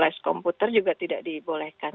lihat di komputer juga tidak dibolehkan